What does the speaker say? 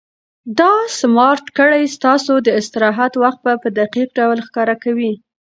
دا سمارټ ګړۍ ستاسو د استراحت وخت په دقیق ډول ښکاره کوي.